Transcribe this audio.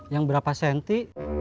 yang berapa senti